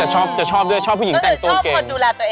จะชอบด้วยชอบผู้หญิงแต่งตัวเก่ง